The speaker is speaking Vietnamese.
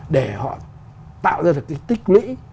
để họ tạo ra cái tích lũy